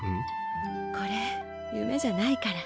これ夢じゃないから。